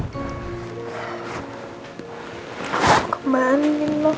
aku kemanin noh